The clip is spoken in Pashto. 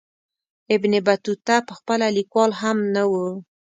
ابن بطوطه پخپله لیکوال هم نه وو.